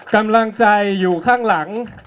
กำลังใจอยู่ข้างหลัง